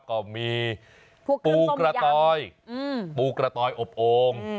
ก็มีปูกระตอยปูกระตอยอบโอ่ง